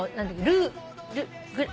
ルー。